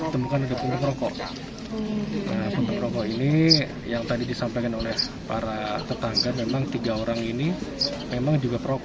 terima kasih rokok rokok ini yang tadi disampaikan oleh para tetangga memang tiga orang ini memang juga